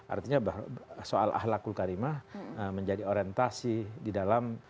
artinya soal ahlakul karimah menjadi orientasi di dalam